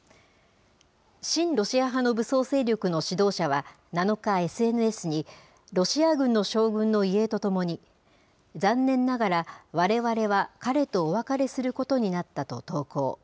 親ロシア派の武装勢力の指導者は７日、ＳＮＳに、ロシア軍の将軍の遺影とともに、残念ながら、われわれは彼とお別れすることになったと投稿。